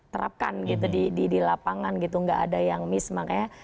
terapkan gitu di lapangan gitu nggak ada yang miss makanya